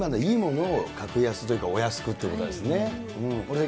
格安というか、お安くということですね。